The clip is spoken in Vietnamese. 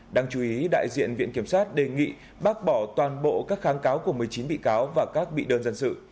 đáng chú ý đại diện viện kiểm sát đề nghị bác bỏ toàn bộ các kháng cáo của một mươi chín bị cáo và các bị đơn dân sự